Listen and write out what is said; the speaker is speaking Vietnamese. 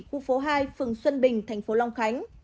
khu phố hai phường xuân bình tp long khánh